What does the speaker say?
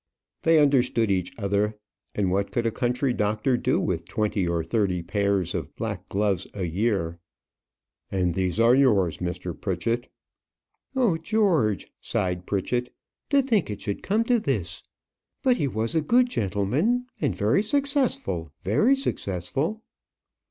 They understood each other; and what could a country doctor do with twenty or thirty pairs of black gloves a year? "And these yours, Mr. Pritchett." "Oh, Mr. George!" sighed Pritchett. "To think it should come to this! But he was a good gentleman; and very successful very successful."